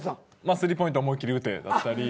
スリーポイント思いっ切り打てだったり。